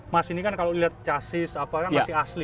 mas ini kan kalau dilihat chassis masih asli